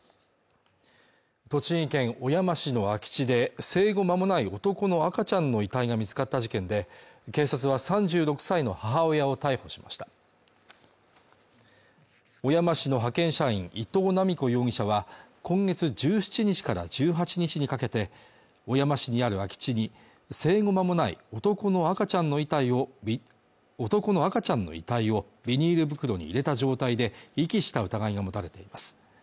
栃木県小山市の空き地で生後まもない男の赤ちゃんの遺体が見つかった事件で警察は３６歳の母親を逮捕しました小山市の派遣社員伊藤七美子容疑者は今月１７日から１８日にかけて小山市にある空き地に生後まもない男の赤ちゃんの遺体をビニール袋に入れた状態で遺棄した疑いが持たれています